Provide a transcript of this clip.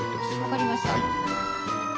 分かりました。